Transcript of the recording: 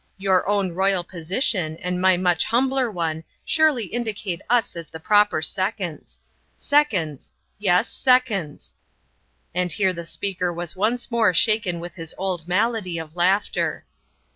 Your own royal position and my much humbler one surely indicate us as the proper seconds. Seconds yes, seconds " and here the speaker was once more shaken with his old malady of laughter.